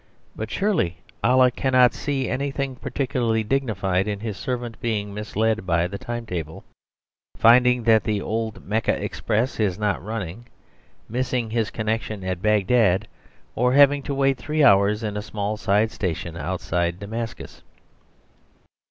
But surely Allah cannot see anything particularly dignified in his servant being misled by the time table, finding that the old Mecca express is not running, missing his connection at Bagdad, or having to wait three hours in a small side station outside Damascus.